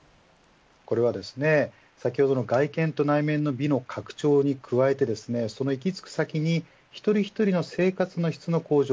これは、先ほどの外見と内面の美の拡張に加えてその行き着く先に一人一人の生活の質の向上